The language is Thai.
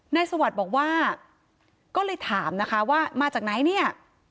สวัสดิ์บอกว่าก็เลยถามนะคะว่ามาจากไหนเนี่ย